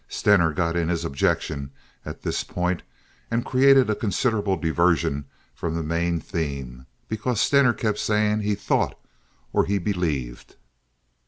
Steger got in his objection at this point, and created a considerable diversion from the main theme, because Stener kept saying he "thought" or he "believed."